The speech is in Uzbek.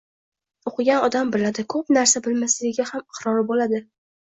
O‘qigan odam biladi, ko‘p narsa bilmasligiga ham iqror bo‘ladi.